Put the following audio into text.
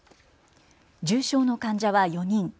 重症の患者は４人。